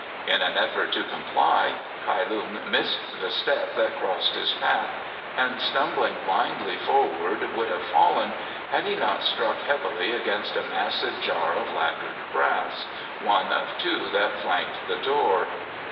In an effort to comply Kai Lung missed the step that crossed his path and stumbling blindly forward would have fallen had he not struck heavily against a massive jar of lacquered brass, one of two that flanked the door.